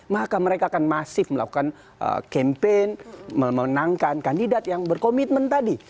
maka mereka akan masif melakukan campaign memenangkan kandidat yang berkomitmen tadi